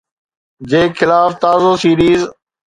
جي خلاف تازو سيريز